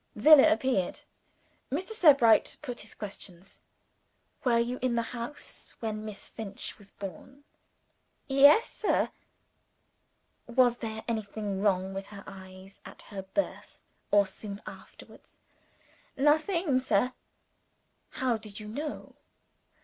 Zillah appeared. Mr. Sebright put his questions. "Were you in the house when Miss Finch was born?" "Yes, sir." "Was there anything wrong with her eyes at her birth, or soon afterwards?" "Nothing, sir." "How did you know?"